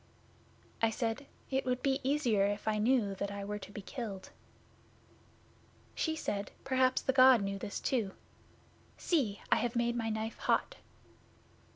'I said, "It would be easier if I knew that I were to be killed." 'She said, "Perhaps the God knew this too. See! I have made my knife hot."